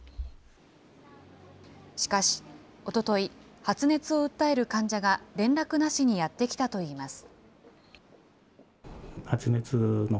しかし、おととい、発熱を訴える患者が、連絡なしにやって来たといいます。